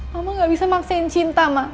mama gak bisa paksain cinta ma